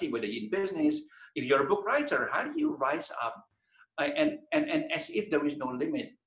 jika anda seorang penulis buku bagaimana anda berkembang dan seperti tidak ada limit